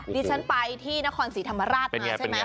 ดิฉันไปที่นครศรีธรรมราชมาใช่ไหม